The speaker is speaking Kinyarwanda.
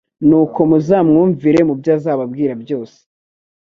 nuko muzamwumvire mu byo azababwira byose